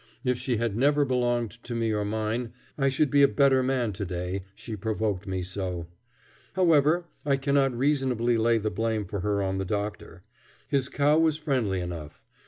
If she had never belonged to me or mine, I should be a better man to day; she provoked me so. However, I cannot reasonably lay the blame for her on the doctor. His cow was friendly enough.